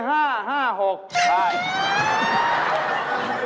ได้